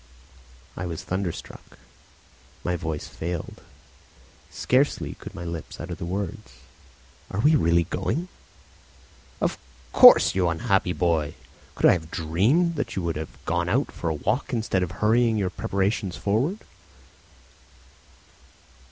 I stood thunderstruck. My voice failed. Scarcely could my lips utter the words: "Are we really going?" "Of course, you unhappy boy! Could I have dreamed that you would have gone out for a walk instead of hurrying your preparations forward?"